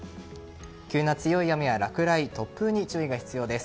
急な強い雨や落雷、突風に注意が必要です。